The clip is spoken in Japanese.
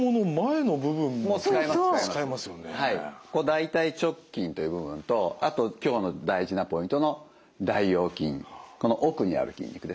大腿直筋という部分とあと今日の大事なポイントの大腰筋この奥にある筋肉ですね